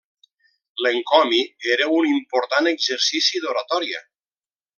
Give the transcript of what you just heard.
L'encomi era un important exercici d'oratòria.